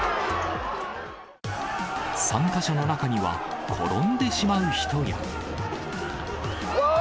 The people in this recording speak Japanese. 参加者の中には、転んでしまう人や。